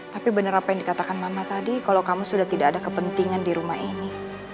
tapi benar apa yang dikatakan mama tadi kalau kamu sudah tidak ada kepentingan di rumah ini